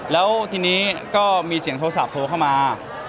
แล้วทีนี้ก็มีเสียงโทรศัพท์โทรเข้ามา